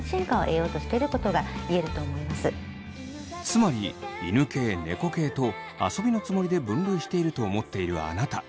つまり犬系・猫系と遊びのつもりで分類していると思っているあなた。